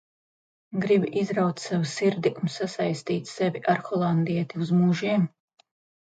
Gribi izraut sev sirdi un sasaistīt sevi ar Holandieti uz mūžiem?